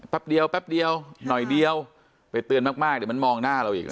แป๊บเดียวแป๊บเดียวหน่อยเดียวไปเตือนมากเดี๋ยวมันมองหน้าเราอีก